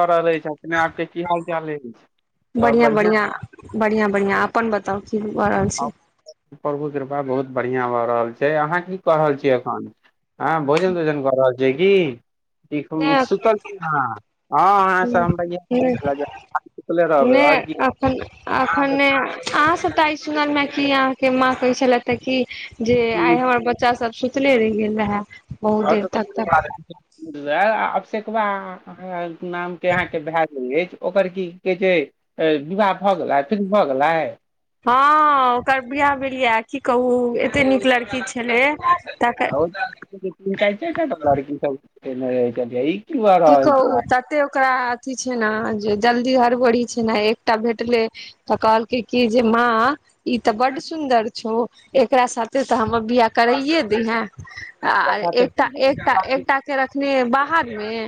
कऽ रहल अछि छै अपने आबके की हाल चाल छै तऽ सब बढ़ियां बढ़ियां अपन बताउ की भऽ रहल छै प्रभु कृपा बहुत बढ़ियां भऽ रहल छै अहाँ की कह रहल छियै एखन आहाँ भोजन तोजन कर हो छै कि सुतल छी ने ह अहाँ हम इ सुतले रहब अखन अखन अह सुनल में की अहाँ के माँ कहे छले ह की जे आइ हमर बच्चा सब सुतलै रह गेल रहा है बहुत देर तक उहे अबसेकबा नाम के अहा के भए गेल अछि ओकर की कहै छै विवाह भऽ गेलै फीनू भऽ गेलै हँ ओकर बियाह भेल ये की कहू एतेक नीक लड़की छलै तकर लड़की सब भऽ की रहल कहो छै तते ओकरा अथी छै ने जे जल्दी हर बड़ी छै ने एकटा भेटले तऽ कहलकै की जे माँ ई ते बड सुदर छौ एकरा साथे ते हमर बियाह करैये दिहे आ खाते एक एक एकटा के रखने बाहर मे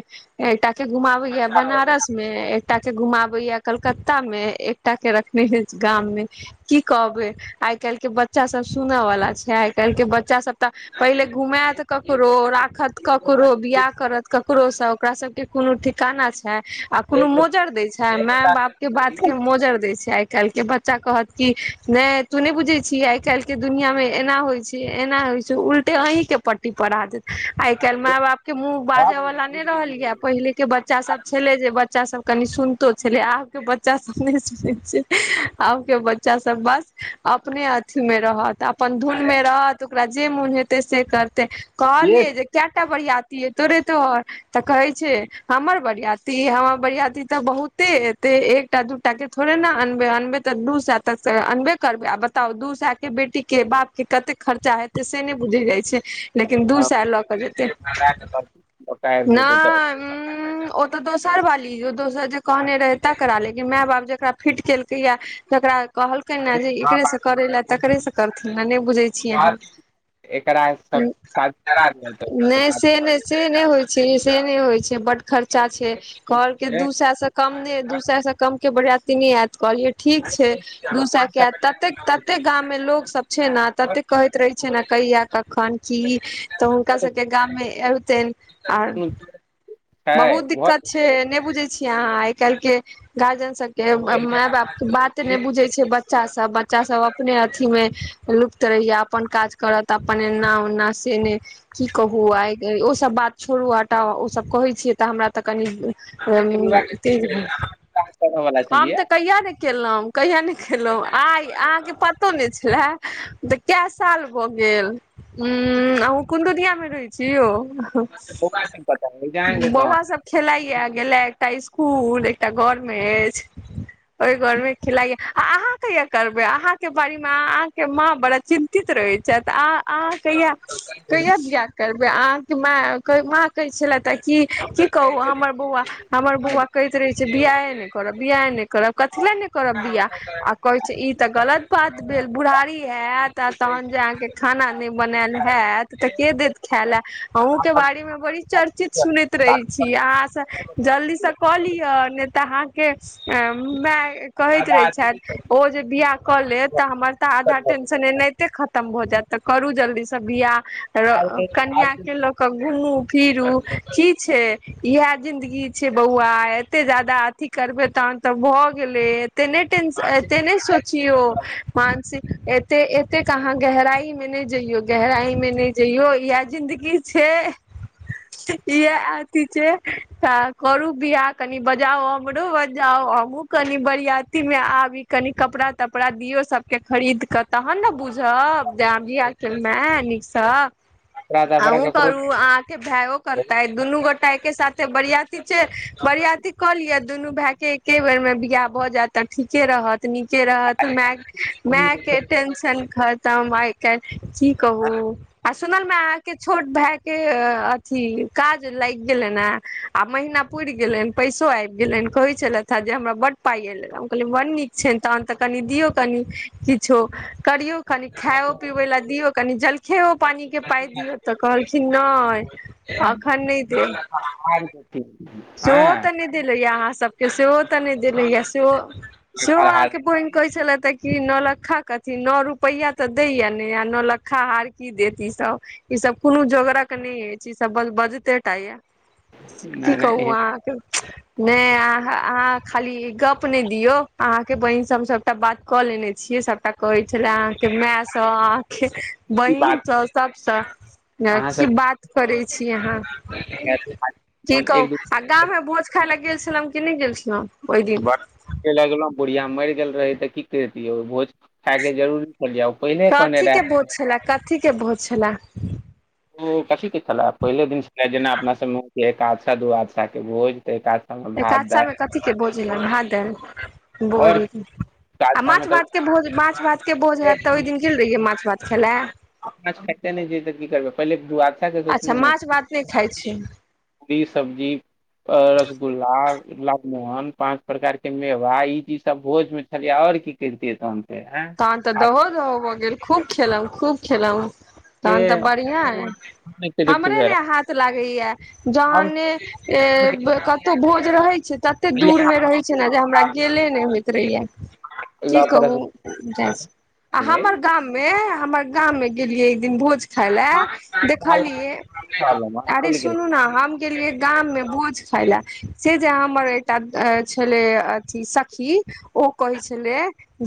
एकटा के घुमाबैय बनारस मे एकटा के घुमाबैया कलकत्ता मे एकटा के रखने ह गाम मे की कहबै आइ काल्हि केँ बच्चा सब सुनय वाला छैक आइ काल्हि केँ बच्चा सब तऽ पहिले घुमैत ककरो राखत ककरो बियाह करत ककरो सब सबकेँ कोनो ठिकाना छै आ कोनो एक बार मोजर दै छै माय बाप के बात के मोजर दै छै आ आ काल्हि के बच्चा कहत की नहि तू नहि बुझे छी आइ काल्हि के दुनिया मे एना होइ छै एना उलटे अहीं के पट्टी पराह देत आइ काल्हि माय बाप के मुँह बाज भाग में वाला डूब नहि रहल ये गेलियै। पहिले के बच्चा सब छले जे बच्चा सब कनि सुनतो छलै आब के बच्चा सब नहि सुनैत छै आब के बच्चा सब बस अपने अथी मे रहत अपन धुन मे रहत ओकरा जे मोन हेतै से कर तै कहलिये एक जे केटा बरीयाती एतौरे है तोहर तऽ कहे छै हमर बरियाती हमर बरियाती तऽ बहुते एते एकटा दूटा के थोड़े अनबे करबै बता दू सए तक त अनबे करबै बेटी के बाप खर्चा हे त से नहि बुझी जाई छीयै लेकिन दू पकाए सय लऽ केऽ जेतै के परती लौटा आबि जेतै तऽ नहि तऽ दोसर बाली यो दोसर जे कहने रहे तकरा ले माय बाप जेकरा फिट केलकै या तकरा कहलकै ने जे माँ एकरे से बाप करे ले तकरे से करथि बुझैयै छियन एकरा सब शादी करा देबै ने से नहि से ने से नहि होइ छै बड्ड खर्चा छै घरके दू सएसे कम नहि दू सएसे कम बरियाती नयि [unintelligible] एत कहलि ठीक छै दूसा किया तते ततेक गाम मे लोग सब छै ने ततेक कहैत रहे छै ने कहिया कखन की तऽ हुनका सबकेँ गाममे एलतैन आर बहुत दिक्कत छै नहि बुझैत छी आहाँ आइ काल् केँ गार्जियन सबकेँ माय बाप के बात ने बुझे छै बच्चा सब बच्चा सब अपने अथी मे लुप्त रहहिय अपन काज करत अपन एना ओना से ने की कहू आइ ओसब बात छोड़ू हटाउ ओसब कहैत छियै तऽ हमरा तऽ कनि वाला आम छलियै तऽ कहिया ने केलहु कहिया ने खेलहुं आई अहाँके पतो नहि छलय त केँ साल भ गेल गेल आंहु कोन दुनियामे रहैत छियौ तऽ बौआ के पता एग्जाम के दौरान बौआ सब खेलाईया गेलै एकटा स्कुल एकटा घरमे अछि ओहि खेलायै आ अहाँ कहिया करबै अहाँके बारेमे अहाँके माँ बड़ा चिन्तित रहैत छथि अहाँ अहाँ कहिया कहिया बिआह करबय अहाँके माँ कहैत छलै तऽ क की कहू हमर बौआ हमर बौआ कहैत रहय छै जे बियाह नहि करब बियाह नहि करब कथी लए नहि करब बिआह आ ई तऽ गलत बात भेल बुढ़ारी हायत आ तहन जे अहाँके खाना नहि बनायल हायत तऽ केँ देत खाय ल अ केँ बारे मे बड़ी चर्चित सुनैत रहे छी अहाँ से जल्दी से कऽ लियअ ने तऽ अहाँके माय कहैत रहैत छथि ओ जे बियाह कऽ लेत तऽ हमर तऽ आधा टेंशन खतम भ जायत तऽ करू जल्दी सब बिआह कनिया केँ घुमू फिरू की छै इह जिन्दगी छै बौआ एते जादा अथी तन त भ गेले सो एते नै टेंशन एते नैय सोचिओ एते एते कहाँ गहराई मे नहि जइयो गहराई मे नहि जइयो यहां जिंन्दगी छै [unintelligible] इएह अथी छै तऽ करू बियाह कनि बजाउ हमरो बजाउ हमहुँ कनी बरियाती मे आबी कनि कपड़ा तपड़ा दियो सबकेँ खरीद केँ तहन ने बुझब जै अहाँ बियाह केँ लो नीकसँ अ औ करू अहाँके भायो करताे दुनू गोटा एकय साथे बरियाती बारियति कहलियै दुनू भायकेँ एके बेरमे बियाह भऽ जायत तऽ ठीके रहत नीके रहत माय माय केँ टेंशन खतम इ की कहू आ सुनल मे अहाँके छोट भाय के अथी काज लागि गेलैन हं आ महीना पूरि गेलैन पैसो आएब गेलनि कहै छलथि हें जे हमरा बड्ड पाइ एलै कहलियै बड्ड नीक छनि तहन तऽ कनि दियौ कनि किछो करियौ कनि खाइो पिबै लए दियौ कनि जलखे पानिकेँ पाइ दियौ तऽ कहलखिन नहि अखन नहि देब सेहो तनी देलेयए अहाँ सबकेँ सेहो तनी देलेया सेहो से अहाकेँ बहिन कहैत छलैथ तऽ की नौलक्खा कथि नओ रुपैआ तऽ दैत य ने नौलक्खा हार की देत ई सब ईसभ कोनो जोगरक नहि अछि ईसभ बजते टा यऽ की कहू अहाँके नहि अहाँ खाली गप नहि दियौ अहाँके बहिन से हम सभटा बात क लेने छियै सबटा कहैत छले अहाँ केँ माय सब अहाँ के बहिनसँ सभसँ की बात करैत छी अहाँ क की कहू आ गाममे भोज खाय ले गेल छलहुँ की नहि गेल छलहुँ ओहि दिन ब लगलहुँ बुढ़िया मरि गेल रहै तऽ की करितियै भोज खायके जरूरी छलैये पहिने कहने कथी के भोज रहै छले कथी के भोज छलै ओ कथी केँ छले पहिले दिन छले जेना अपना सभमे एकादशा दूआदशा केँ भोज तऽ एकादशा मे भात एकादशा दालि मे कथी के भोज रहै भात आओर दालि [unintelligible] आ एकादशा मे माछ तऽ भात के भोज माछ भात के भोज हयत तऽ ओहि दिन गेल रहियै माछ भात खाइले माछ खाइते नै छियै कि करबै पहिलेक विवाह अच्छा माछ भात नहि खाइ छी टी सब्जी आओर रसगुल्ला ला नान पाँच प्रकारके मेवा ई चीज सब भोजमे छलियै आओर की करतियै तहन फेर तहन तऽ दहो दहो भऽ गेल खूब खेलौं खूब खेलौं तहन तऽ बढियां ऐ अतिरिक्त हमरे भेल ने हाथ लागैया हम जहने ए कतहु भोज रहैत छै तते दूर मे रहे छै ने जे हमरा गेले ने होय रहैये की कहू जि आ हमर लागल गाम मे हमर गाम मे गेलियै एक दिन भोज खायले देखलियै अरे सुनु न हम गेलियै गाम मे भोज खायला से जे हमर एकटा छलै अथी सखी ओ कहैत छले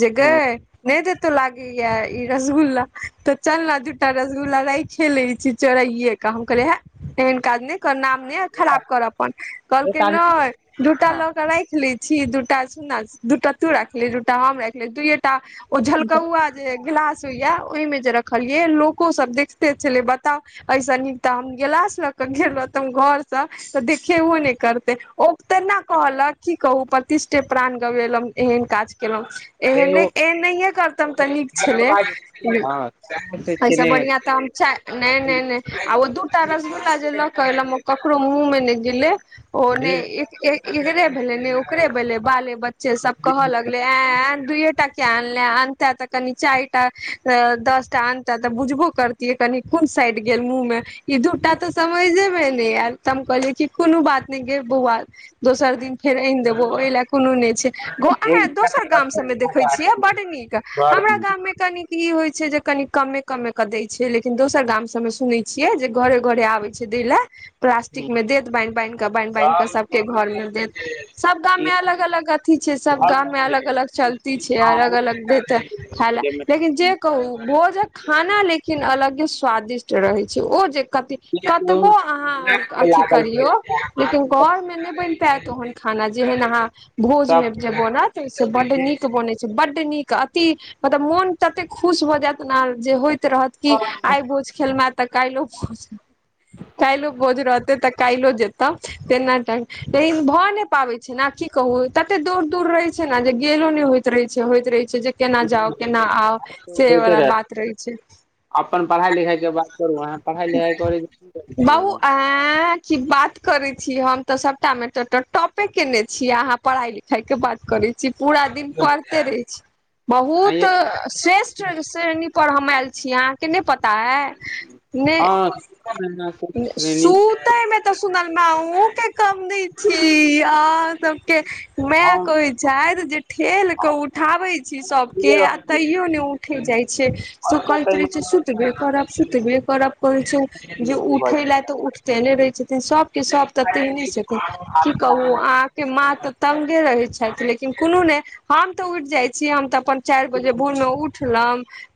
जे गै नहि देतो लागैया ई रसगुल्ला तो चल न दुटा रसगुल्ला राइखे लै छियै चोराइये कऽ हम कहलियै है एहन काज नहि नाम नहि न खराब कर अपन कहलखिन नहि दूटा लऽ कऽ राइख लै छी दुटा सुन ना दूटा तू राइख ले दूटा हम राइख लेब दुइये टा ओ झलकौआ जे गिलास सैया ओहि मे जे रखलियै लोको सब देखते छलै बताउ ऐ सँ नीक तऽ हम गिलास लऽ कऽ गेल रहितौं घर सँ तऽ देखेबो ने करतै ओ तेना कहलक की कहू पति इष्टे प्राण गवेलहुं एहन काज केलहुँ से एहन नहि एहन नहिये करीतहुँ तऽ नीक छेलै एहिसँ बढ़ियां तऽ हम छै नै नै नै आ ओ दू टा रसगुल्ला जे लऽ कऽ एलौं उ ककरो मुँह मे नै गेले ओ ने एकरे भेलै ने ओकरे भेलै बाले बच्च चे सब कहऽ लगलै ऐं कटा किया अनलैं अनतैं तऽ कनि चाइर टा दसटा अनते तऽ बुझबो करतियै कनि कोन साइड गेल मुँह मे ई दूटा तऽ समैझे मे नै एलै तऽ हम कहलियै कि कोनो बात नै गै बौआ दोसर दिन फेर आइनि देबो ओहि लै कोनो नहि छै दोसर गाम सबमे देखै छियै बड नीक हमरा गाम मे कनिक ई होइ छै जे कनी कमे कमे के दै छै लेकिन दोसर गाम सब मे सुनै छियै जे घरे घरे आबे छै लै ले [inaudible] प्लास्टिकमे देत बान्हि बान्हि के बान्हि बान्हि के सबके घर मे देत सब गाममे अलग अलग अथी छै सब गाममे अलग अलग चलती छै अलग अलग देतै खायले लेकिन जे कहू भोजक खाना लेकिन लेकिन अलगे स्वादिष्ट रहै छै ओ जे कते कतबो अहाँ अथी करियौ लेकिन घरमे नहि बनि पाएत ओहन खाना ना जेहन अहाँ भोज सब मे जे बनत से बड्ड नीक बनै छै बड्ड नीक अति मतलब मोन तते खुश भऽ जायत ने जे होयत रहत कि आइ भोज खेलहुँ हैं तऽ काइलो भोज काइलो भोज रहतै तऽ काइलो जेतौं तेना तऽ लेकिन भए नहि पाबै छै ने की कहू तते दूर दूर रहे छै न जे गेलो नहि होइत रहै छै होइत रहै छै जे केना जाउ केना आउ से होइत वला रह बात रहैत छै अपन पढ़ाइ लिखाइ के बात करू अहाँ पढ़ाइ लिखाइ करै बउआ [unintelligible] की बात करै छी हम तऽ सभटा मे तऽ टॉपे केने छी आहाँ पढ़ाई लिखाइ केँ बात करै से पूरा दिन पढ़ते रहैत छै बहुत आंय यै श्रेष्ठ पर हम आयल छी अहाँ केँ नहि पता है नहि हँ महिना से श्रेणी सुत मे तऽ सुन ना केँ कमि छी अहाँ सब केँ माय हम कहैत छथि जे ठेल क उठाबै छी बुझे सबकेँ आ रहल छी तैयो नहि उठै जाइत छैक सु कहिना कहैत रहैत छै कहिना सुतबे करब सुतबे करब कहै छै जे उठै ला तऽ उ केने रहै छै सबकेँ सब तऽ तेहने छथिन की कहु अहाँके माँ त तंगे रहैछै लेकिन कुनु नहि हम तऽ उठ जाइत छी हम तऽ अपन चाइर बजे भोर मे उठलौ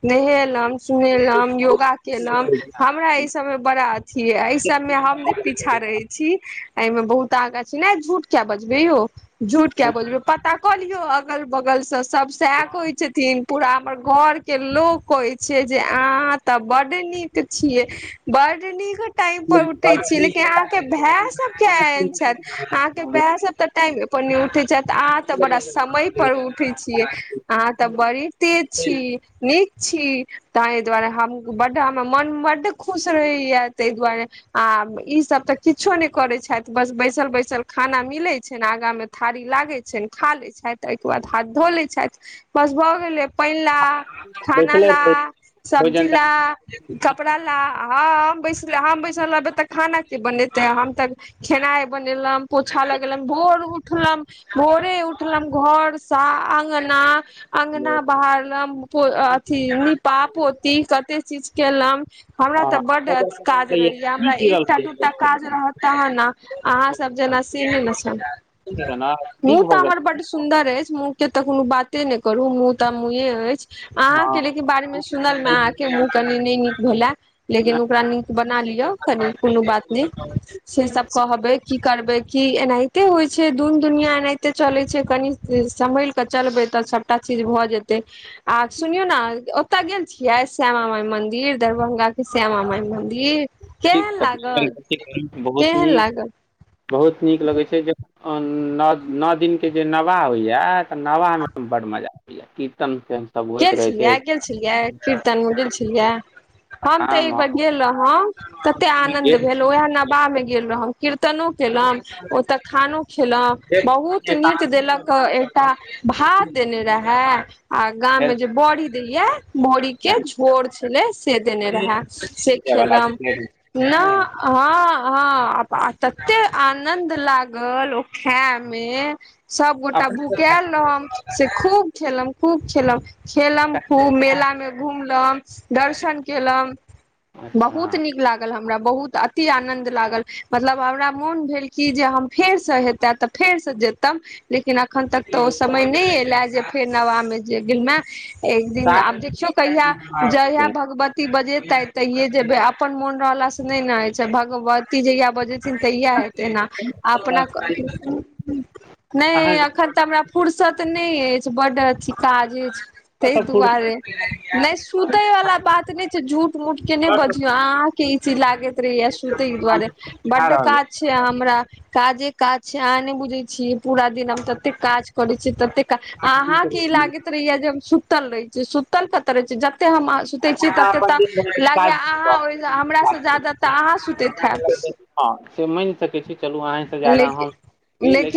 नहेलहु सुनेलं योगा केलहुँ हमरा इ सब मे बड़ा अथी ये सब मे हम जे पीछा रहैत छी एहिमे बहुत आगाँ छै ने झूठ क बजबय यौ झूठ क बजबय तकलियो अगल बगल स सब सैहै कहै छथिन पूरा हमर घर केँ लोक कहैत छै जे अहाँ तऽ बड नीक छियै बड़ कट [unintelligible] टाइम पर उठे छिय लेकिन अहाँ केँ भाय सब किया एहन छथि अहाँ केँ भाय सब त टाइम उनी उठै छथि अहाँ त बड़ा समय पर उठैत छियैक अहाँ तऽ बड़ी तेज छी न ठीक छी ताहि दुआरे हम बड्ड हमर मोन बड्ड खुश रहैया ताहि दुआरे आब इ सब ते किछो ने करे छथि बस बैसल बैसल खाना मिले छै ने आगामे थारी लागैत छै खा ले छथि ओहिकेँ बाद हाथ धो लैत छथि बस भऽ गेलै पानि ला खाना बैसले ला रहै सब्जी भोजन ला कपड़ा ला हँ हम बैसले हम बैसल रहबय ते खाना केँ बनेते हम ते खेनाय बनेबय पोछा ल भर उठलहुँ घर स आं अंगना अगना बहारलहूँ अथी नीपा पोती कते किछ केलहुँ हमरा तऽ हाँ बड काज नीक रहैया हमरा गिरल एकटा नीक दूटा काज रहत तहन ने अहाँ सब जे न से नहि ने छै भऽ मुँह तऽ गेल हमर बड सुन्दर अछि मुह केँ तऽ कोनो बाते नहि करू मुँह तऽ मुहे अछि अहाँ के लेकिन बारे मे सुनल मे अहाँके मुह कनि नहि नीक भेले हँ लेकिन ओकरा नीक बना ली यौ कनि कोनो बात नैय से सब कहबय करबै की एनाहिते होइ छै दू दुनिया एनाहिते चलैत छै कनि सम्हल कऽ चलबै तऽ सभटा चीज भऽ जेतै आ सुनियौ ने ओतय गेल छिये श्यामा मााय मंदिर दरभंगा के श्यामा माय मंदिर ठीक केहन अछि। लागल बहुत केहन नीक लागल बहुत नीक लगैत छै जे नओ नओ दिनकेँ जे नवाह होइए त नबाहमे बड्ड मजा अबैत कीर्तन उर्तन सब होइत गेल रहै छै छलियै गेल छलियै कीर्तनमे गेल छलियै हम तऽ आम एकबर गेल रहौं कते आनंद भेल ओएह नबाहमे गेल रहौं कीत कीर्तनो केलहुँ ओतऽ खानो खेलहु बहुत नीक देलक एकटा भा भात देने रहय आ गाममे जे बड़ी देलिए बरी केँ झोर छलै से देने रहय से खेलहुँ न हँ हँ तते आनंद लागल ओ खायमे सभगोटा भुकायल रहओं से खूब खेलहुँ खूब खेलहुँ खूब मेलामे घुमलहुँ दर्शन केलहुँ बहुत नीक लागल हम हमरा बहुत अति आनंद लागल मतलब हमरा मोन भेल कि जे हम फेर से हेताे तऽ फेर से जेतब लेकिन अखन तक तऽ ओ समय नहि एला जे फेर नवाहमे जे गमे एक दिन आब देखियो कहिया जहिया भगवती बजेतैथ तहिये जेबय अपन मोन रहलला से नहि ने होइत छै भगवती जहिया बजैत तहिया हेते न अपना नैय एखन त हमरा फुर्सत नहि अछि बड अचछी काज अछि ताहि दुआरे नहि सुते वालला बात नहि छै झूठ मूठ के नहि बजियौ आहां के ई चीज लागैत रहहिय सुतै दुआरे बड्ड अहाँ काज छै हमरा काजे काज छै अहाँ नहि बुझैत छियै पूरा दिन हम ततेक काज करैत छियै ततेक अहाँके ई लागैत रहहिय जे हम सुतल रहै छी सुतल कत रहै छी ज ते हम सुते छियै अपना तते अपन दिन तऽ भरिके काज लागैया नहि अहाँ कऽ ओहि सकैत छी, हमरा काज से करै जाादा तऽ छी। अहाँ सुतैत हमरा तऽ हैब हँ से मैन सकै छी चलू अहीँसँ ज्यादा हम लेकिन लेकिन